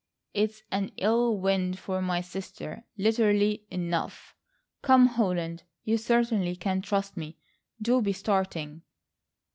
"It's an ill wind for my sister, literally enough. Come, Holland, you certainly can trust me. Do be starting."